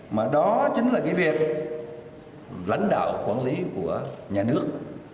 mà đó chính là cái việc lãnh đạo quản lý của nhà nước